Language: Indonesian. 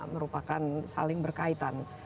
merupakan saling berkaitan